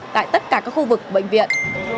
tại tất cả các khu vực bệnh viện